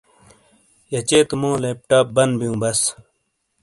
یچے تو مو لیپ ٹاپ بن بیوبس۔